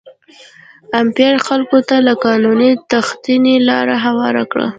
امپارو خلکو ته له قانونه د تېښتې لاره هواره کړه.